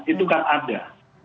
itu kan ada